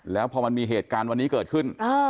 แล้วพอมันมีเหตุการณ์วันนี้เกิดขึ้น